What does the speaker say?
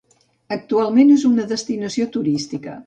Actualment és una destinació turística.